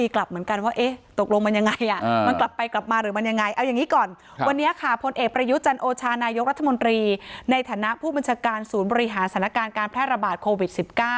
กลับไปกลับมาหรือมันยังไงเอาอย่างนี้ก่อนวันนี้ค่ะพลเอกประยุจันโอชานายกรัฐมนตรีในฐานะผู้บัญชาการศูนย์บริหารสถานการณ์การแพร่ระบาดโควิด๑๙